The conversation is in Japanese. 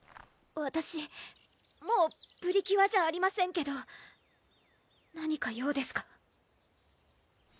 わたしもうプリキュアじゃありませんけど何か用ですか？